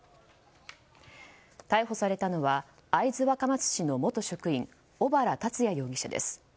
逮捕されたのは会津若松市の元職員小原龍也容疑者です。